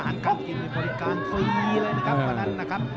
อ่านการจินบริการธุรีเลยนะครับขวานอันนะครับ